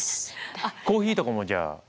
コーヒーとかもじゃあ？